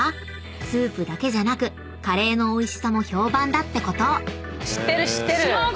［スープだけじゃなくカレーのおいしさも評判だってこと］